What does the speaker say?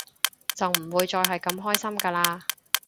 就唔會再係咁開心㗎喇